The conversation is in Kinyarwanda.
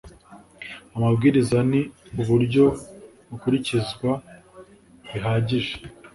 amabwiriza n uburyo bukurikizwa bihagije